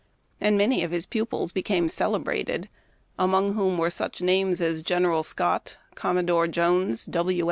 and many of his pupils became celebrated, among whom were such names as General Scott, Commodore ' W.